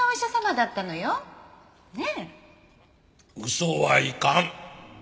嘘はいかん。